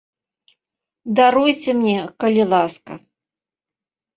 Даруйце мне, калі ласка.